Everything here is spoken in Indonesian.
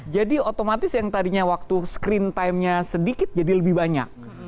jadi otomatis yang tadinya waktu screen timenya sedikit jadi lebih banyak